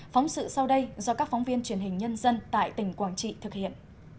phóng sự sau đây do các phóng viên truyền hình nhân dân tại tỉnh quảng trị thực hiện